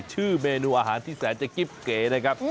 ชื่อเมนูอาหารที่แสนจะกิ๊บเก๋นะครับ